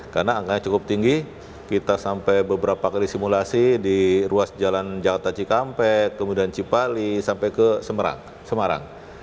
karena angkanya cukup tinggi kita sampai beberapa kali simulasi di ruas jalan jakarta cikampek kemudian cipali sampai ke semarang